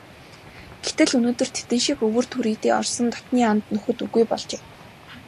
Гэтэл өнөөдөр тэдэн шиг өвөр түрийдээ орсон дотнын анд нөхөд үгүй болжээ.